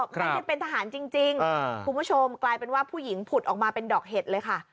ใครที่เป็นทหารจริงคุณผู้ชมกลายเป็นว่าผู้หญิงผุดออกมาเป็นดอกเห็ดเลยค่ะ